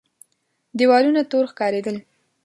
دېوالونه تور ښکارېدل.